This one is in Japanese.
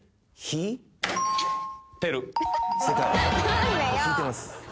引いてます。